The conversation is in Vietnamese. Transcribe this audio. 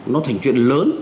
nó thành chuyện lớn